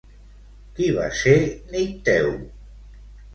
Qui va ser Nicteu?